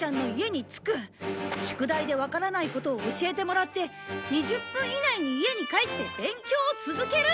宿題でわからないことを教えてもらって２０分以内に家に帰って勉強を続ける！